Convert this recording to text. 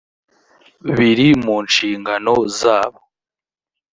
biri mu nshingano zabo .